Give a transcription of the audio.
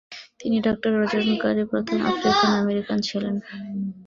তিনি ডক্টরেট অর্জনকারী প্রথম আফ্রিকান আমেরিকান ছিলেন।